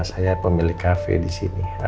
saya pemilik kafe di sini